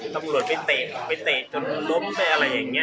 ตำรวจไปเตะล้มอย่างงี้